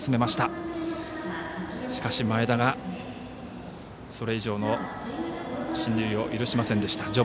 しかし前田が、それ以上の進塁を許しませんでした。